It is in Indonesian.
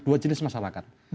dua jenis masyarakat